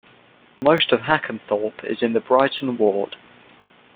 Most of Hackenthorpe is in the Beighton ward.